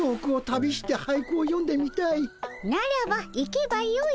ならば行けばよい。